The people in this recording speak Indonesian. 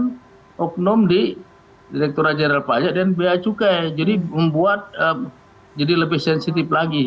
dan oknum di direktura jenderal pajak dan bacuk jadi membuat jadi lebih sensitif lagi